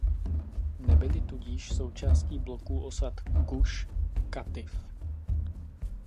Nebyly tudíž součástí bloku osad Guš Katif.